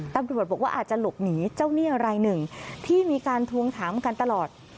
ตำรวจบอกว่าอาจจะหลบหนีเจ้าหนี้รายหนึ่งที่มีการทวงถามกันตลอด